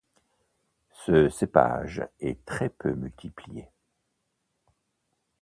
Ce cépage est très peu multiplié.